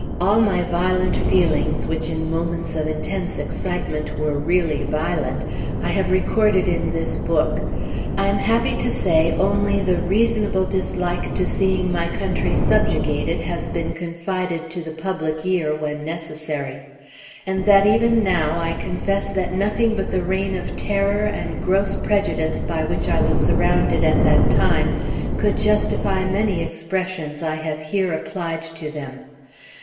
All my violent feelings, which in moments of intense excitement were really violent, I have recorded in this book; I am happy to say only the reasonable dislike to seeing my country subjugated has been confided to the public ear, when necessary; and that even now, I confess that nothing but the reign of terror and gross prejudice by which I was surrounded at that time could justify many expressions I have here applied to them.